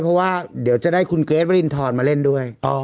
เพราะว่าเดี๋ยวจะได้คุณเกรทวรินทรมาเล่นด้วย